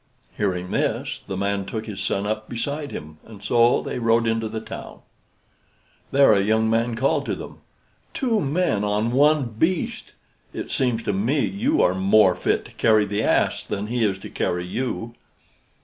Hearing this, the man took his son up beside him and so they rode into the town. There a young man called to them, "Two men on one beast! It seems to me you are more fit to carry the ass than he is to carry you."